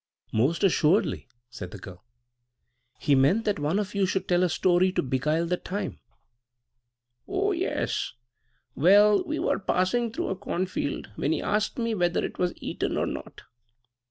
"Most assuredly," said the girl. "He meant that one of you should tell a story to beguile the time." "Oh yes. Well, we were passing through a corn field, when he asked me whether it was eaten or not."